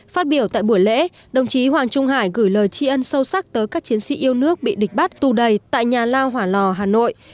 phát biểu tại buổi lễ đồng chí hoàng trung hải gửi lời tri ân sâu sắc tới các chiến sĩ yêu nước bị địch bắt tù đầy tại nhà lao hỏa lò hà nội